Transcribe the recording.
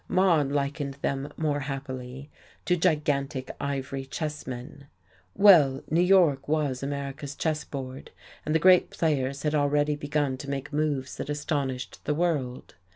Maude likened them more happily to gigantic ivory chessmen. Well, New York was America's chessboard, and the Great Players had already begun to make moves that astonished the world.